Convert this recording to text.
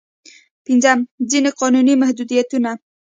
پنځم: ځينې قانوني محدودیتونه.